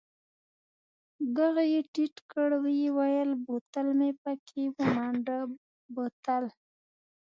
ږغ يې ټيټ کړ ويې ويل بوتل مې پکښې ومنډه بوتل.